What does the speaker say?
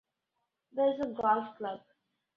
There is a golf club.